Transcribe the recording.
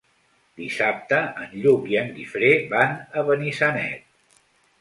Dissabte en Lluc i en Guifré van a Benissanet.